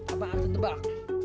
abang aksan tebak